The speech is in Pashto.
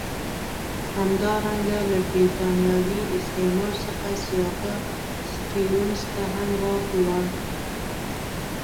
همدارنګه له برېتانوي استعمار څخه سیاکا سټیونز ته هم واک ولاړ.